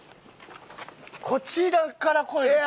こちらから声が。